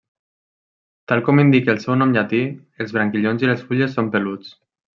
Tal com indica el seu nom llatí, els branquillons i les fulles són peluts.